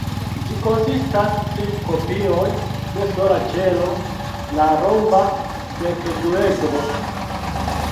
Ĝi konsistas de kopioj de sola ĉelo, la romba dekduedro.